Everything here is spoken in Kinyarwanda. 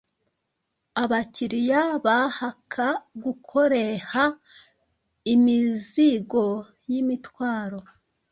Abakiriya bahaka gukoreha imizigo yimitwaro